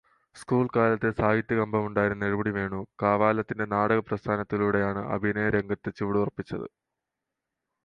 School കാലത്തേ സാഹിത്യകമ്പമുണ്ടായിരുന്ന നെടുമുടി വേണു, കാവാലത്തിന്റെ നാടകപ്രസ്ഥാനത്തിലൂടെയാണ് അഭിനയരംഗത്ത് ചുവടുറപ്പിച്ചത്.